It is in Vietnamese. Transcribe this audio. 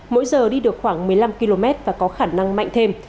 mỗi giờ đi được khoảng một mươi năm km và có khả năng mạnh thêm